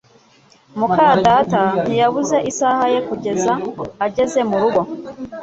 muka data ntiyabuze isaha ye kugeza ageze murugo